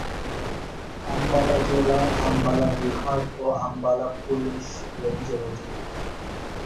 আম্বালা জেলা আম্বালা বিভাগ ও আম্বালা পুলিশ রেঞ্জের অধীন।